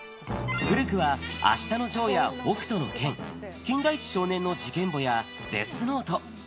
古くは、あしたのジョーや北斗の拳、金田一少年の事件簿や、デスノート。